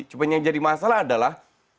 cuma yang jadi masalah adalah